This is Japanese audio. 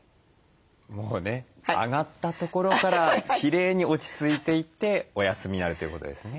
もうね上がったところからきれいに落ち着いていってお休みになるということですね。